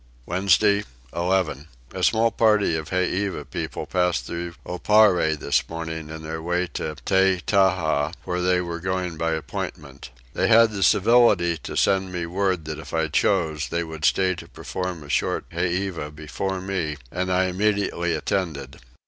Wednesday 11. A small party of heiva people passed through Oparre this morning in their way to Tettaha, where they were going by appointment. They had the civility to send me word that if I chose they would stay to perform a short heiva before me; and I immediately attended.